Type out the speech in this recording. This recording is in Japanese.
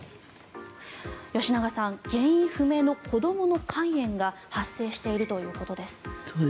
吉永さん原因不明の子どもの肝炎が発生しているということです。